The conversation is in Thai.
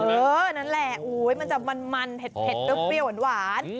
นั่นแหละมันจะมันเผ็ดเปรี้ยวหวาน